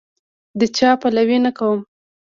د چا پلوی نه کوم.